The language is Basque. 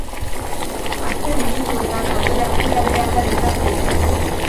Azken minutuetan aukerak bi areatan izan ziren.